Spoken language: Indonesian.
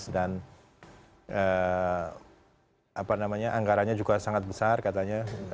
dan apa namanya anggarannya juga sangat besar katanya